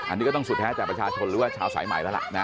อันนี้ก็ต้องสุดแท้แต่ประชาชนหรือว่าชาวสายใหม่แล้วล่ะนะ